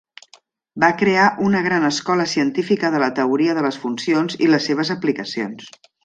Va crear una gran escola científica de la teoria de les funcions i les seves aplicacions.